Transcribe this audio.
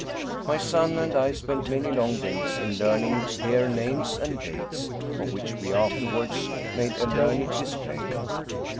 My son and I spent many long days in learning here names and dates, of which we afterwards made a learned display.